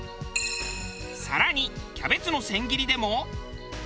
更にキャベツの千切りでも。